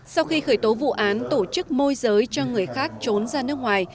sau khi khởi tố vụ án tổ chức môi giới cho người khác trốn ra nước ngoài